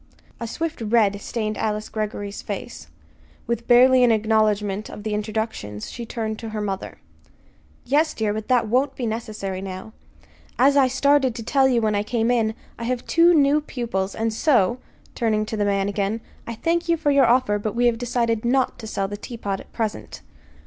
A swift red stained Alice Greggory's face. With barely an acknowledgment of the introductions she turned to her mother. "Yes, dear, but that won't be necessary now. As I started to tell you when I came in, I have two new pupils; and so" turning to the man again "I thank you for your offer, but we have decided not to sell the teapot at present."